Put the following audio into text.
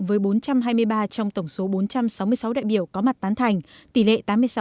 với bốn trăm hai mươi ba trong tổng số bốn trăm sáu mươi sáu đại biểu có mặt tán thành tỷ lệ tám mươi sáu tám mươi sáu